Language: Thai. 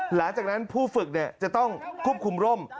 หลังจากนั้นผู้ฝึกจะต้องควบคุมร่ม